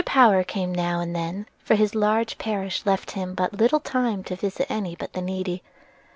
Power came now and then, for his large parish left him but little time to visit any but the needy.